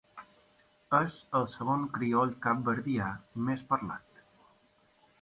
És el segon crioll capverdià més parlat.